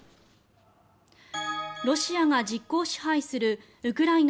ロシアが実効支配するウクライナ